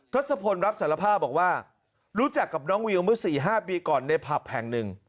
ศพลรับสารภาพบอกว่ารู้จักกับน้องวิวเมื่อ๔๕ปีก่อนในผับแห่งหนึ่ง